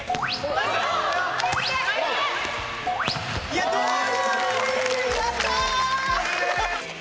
やったー！